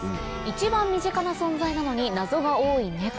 一番身近な存在なのに謎が多いネコ。